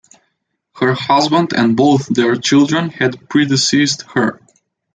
Her husband and both their children had predeceased her.